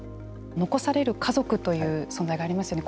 残される家族という存在がありますよね。